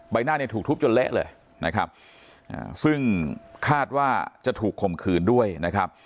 หน้าเนี่ยถูกทุบจนเละเลยนะครับซึ่งคาดว่าจะถูกข่มขืนด้วยนะครับ